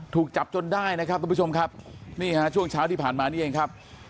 ถูกจับจนได้นะครับทุกผู้ชมครับนี่ฮะช่วงเช้าที่ผ่านมานี่เองครับ